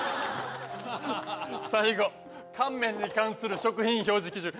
最後乾めんに関する食品表示基準